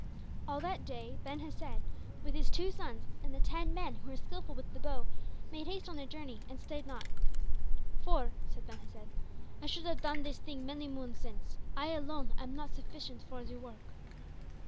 All that day Ben Hesed, with his two sons and the ten men who were skilful with the bow, made haste on their journey and stayed not. "For," said Ben Hesed, "I should have done this thing many moons since; I alone am not sufficient for the work."